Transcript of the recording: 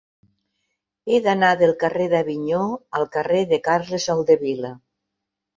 He d'anar del carrer d'Avinyó al carrer de Carles Soldevila.